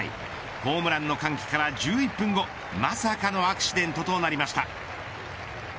ホームランの歓喜から１１分後まさかのアクシデントとなりました。